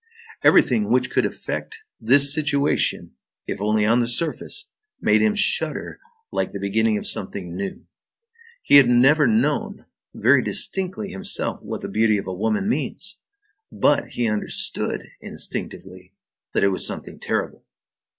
Everything which could affect this situation, if only on the surface, made him shudder like the beginning of something new. He had never known very distinctly himself what the beauty of a woman means; but he understood instinctively, that it was something terrible.